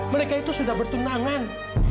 mereka itu sudah bertunangan